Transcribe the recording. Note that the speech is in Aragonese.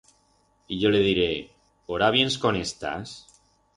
Y yo le diré: Ora viens con estas?